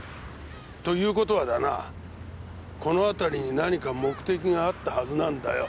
ということはだなこのあたりに何か目的があったはずなんだよ。